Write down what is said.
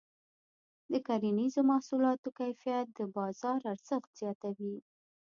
د کرنیزو محصولاتو کیفیت د بازار ارزښت زیاتوي.